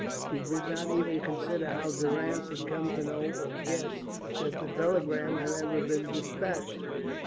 She did not even consider how Durrance had come to know or guess that the telegram had ever been despatched.